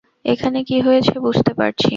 এখানে কী হয়েছে বুঝতে পারছি।